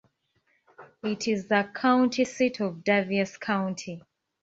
It is the county seat of Daviess County.